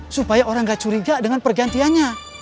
supaya orang gak curiga dengan pergantiannya